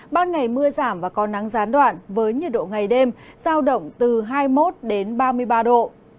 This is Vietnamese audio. ban ngày mưa giảm và có nắng gián đoạn với nhiệt độ ngày đêm giao động từ hai mươi một đến ba mươi ba độ